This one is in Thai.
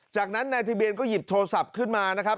จากนั้นนายทะเบียนก็หยิบโทรศัพท์ขึ้นมานะครับ